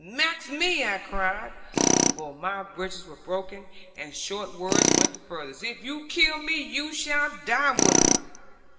'Mux me,' I cried, for my breeches were broken, and short words went the furthest 'if you kill me, you shall die with me.'